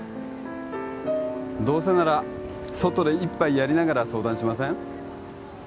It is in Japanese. どうせなら外で一杯やりながら相談しません？